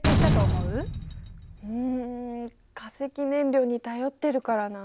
うん化石燃料に頼ってるからなあ。